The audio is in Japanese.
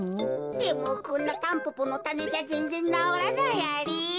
でもこんなタンポポのたねじゃぜんぜんなおらないアリ。